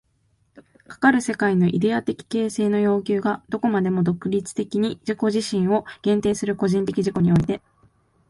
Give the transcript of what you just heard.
かかる世界のイデヤ的形成の要求がどこまでも独立的に自己自身を限定する個人的自己において、